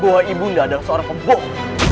bahwa ibu adalah seorang pembohong